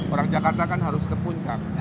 orang jakarta kan harus ke puncak